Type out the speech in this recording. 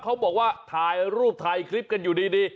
เขาบอกว่าถ่ายรูปถ่ายคลิปกันอยู่ดี